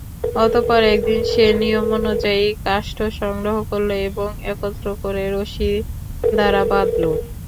অতঃপর একদিন সে নিয়মানুযায়ী কাষ্ঠ সংগ্রহ করল এবং একত্র করে রশি দ্বারা বাঁধল।